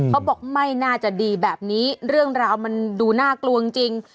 เขาบอกไม่น่าจะดีแบบนี้เรื่องราวมันดูน่ากลัวจริง